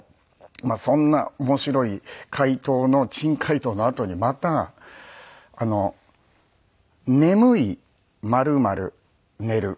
そんな面白い解答の珍解答のあとにまた「眠いまるまる寝る」。